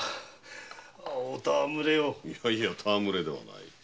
いや戯れではない。